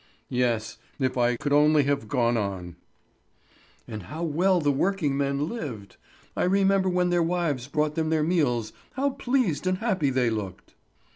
"Yes, if I could only have gone on." "And how well the working men lived! I remember when their wives brought them their meals how pleased and happy they looked!"